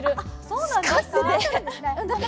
そうなんですよ。